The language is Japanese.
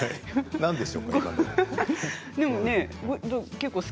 何でしょう。